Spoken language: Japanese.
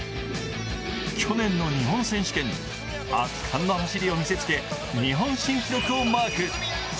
去年の日本選手権、圧巻の走りを見せつけ日本新記録をマーク。